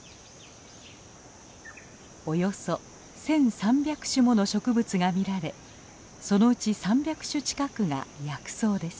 およそ１，３００種もの植物が見られそのうち３００種近くが薬草です。